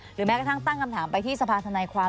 แม้กระทั่งตั้งคำถามไปที่สภาธนายความ